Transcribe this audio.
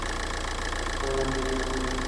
High, Anjali আমার কথা শুনো।